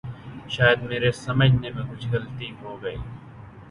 شاید میرے سمجھنے میں کچھ غلطی ہو گئی۔